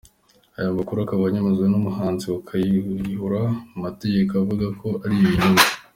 Aya makuru akaba anyomozwa n’umwunganizi wa Kayihura mu mategeko uvuga ko ari ibinyoma.